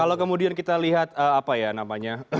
kalau kemudian kita lihat apa ya namanya